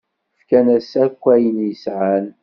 Fkan-asent akk ayen sɛan.